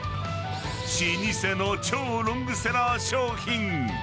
［老舗の超ロングセラー商品］